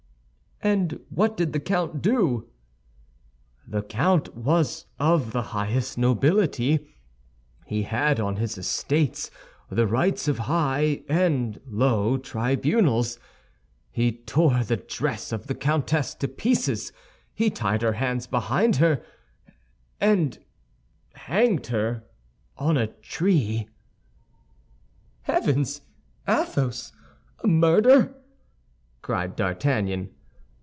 "And what did the count do?" "The count was of the highest nobility. He had on his estates the rights of high and low tribunals. He tore the dress of the countess to pieces; he tied her hands behind her, and hanged her on a tree." "Heavens, Athos, a murder?" cried D'Artagnan.